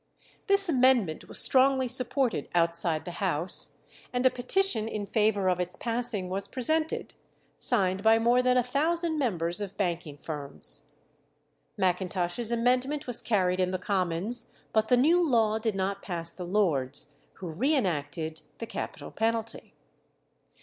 This amendment was strongly supported outside the House, and a petition in favour of its passing was presented, signed by more than a thousand members of banking firms. Macintosh's amendment was carried in the Commons, but the new law did not pass the Lords, who re enacted the capital penalty.